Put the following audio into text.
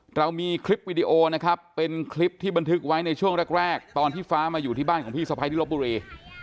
เรามีคลิปวิดีโอนะครับเป็นคลิปที่บันทึกไว้ในช่วงแรกตอนที่ฟ้ามาอยู่ที่บ้านของพี่สะพ้ายที่ลบบุรี